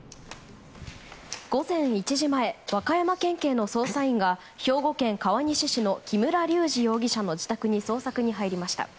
午前１時前和歌山県警の捜査員が兵庫県川西市の木村隆二容疑者の自宅に捜索に入りました。